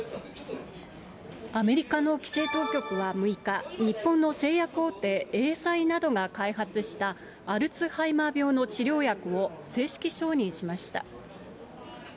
アメリカの規制当局は６日、日本の製薬大手、エーザイなどが開発したアルツハイマー病の治療薬を正式承認しました。